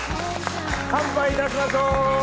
乾杯いたしましょう。